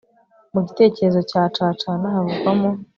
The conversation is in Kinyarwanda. mu gitekerezo cya cacana havugwamo